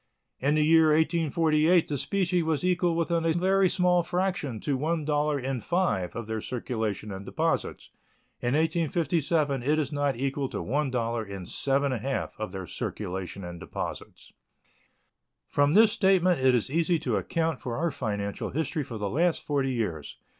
In the year 1848 the specie was equal within a very small fraction to one dollar in five of their circulation and deposits; in 1857 it is not equal to one dollar in seven and a half of their circulation and deposits. From this statement it is easy to account for our financial history for the last forty years.